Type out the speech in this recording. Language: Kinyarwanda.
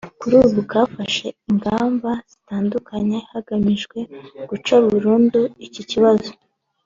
kuri ubu ngo kafashe ingamba zitandukanye hagamijwe guca burundu iki kibazo